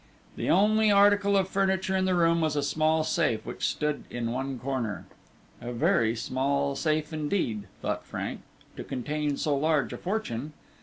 The only article of furniture in the room was a small safe which stood in one corner. A very small safe indeed, thought Frank, to contain so large a fortune.